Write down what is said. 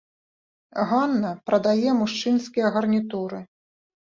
Ганна прадае мужчынскія гарнітуры.